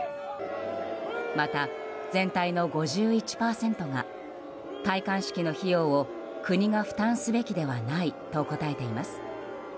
また、全体の５１％が戴冠式の費用を国が負担すべきではないと答えています。